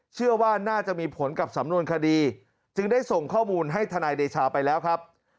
เชื่อว่าน่าจะมีผลกับสำนวนคดีจึงได้ส่งข้อมูลให้ทนายเดชาไปแล้วครับ